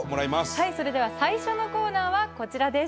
はいそれでは最初のコーナーはこちらです。